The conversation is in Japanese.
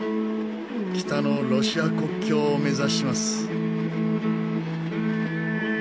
北のロシア国境を目指します。